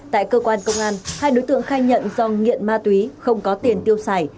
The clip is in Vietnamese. tại cơ quan công an hai đối tượng khai nhận do nghiện ma túy không có tiền tiêu xài